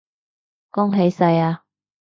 恭喜晒呀